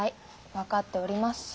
分かっております。